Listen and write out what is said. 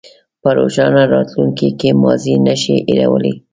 په روښانه راتلونکي کې ماضي نه شئ هېرولی.